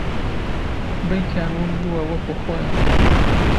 بەیتیان ون بووە وەکوو خۆیان